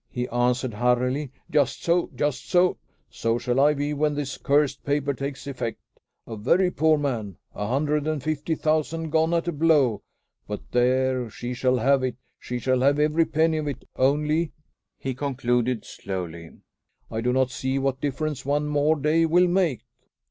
He answered hurriedly, "Just so! just so! So shall I be when this cursed paper takes effect. A very poor man! A hundred and fifty thousand gone at a blow! But there, she shall have it! She shall have every penny of it; only," he concluded slowly, "I do not see what difference one more day will make."